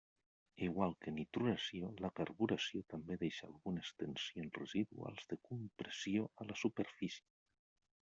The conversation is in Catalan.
Igual que nitruració, la carburació també deixa algunes tensions residuals de compressió a la superfície.